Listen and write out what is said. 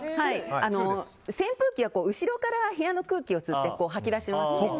扇風機は後ろから部屋の空気を吸って吐き出しますよね。